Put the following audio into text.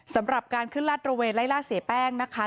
สำหรับการขึ้นลาดระเวนไล่ล่าเสียแป้งนะคะ